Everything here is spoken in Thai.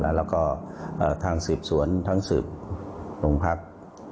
ก็ว่าทางสืบสวนทางสืบหนุ่มพักร์